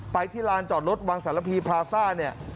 ไปที่ลานจอดรถวังสารพีพลาซ่า